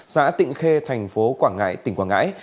xã tịnh khê thành phố quảng ngãi tỉnh quảng ngãi